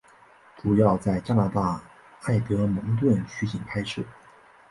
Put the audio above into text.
主要在加拿大埃德蒙顿取景拍摄。